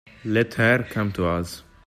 Let her come to us.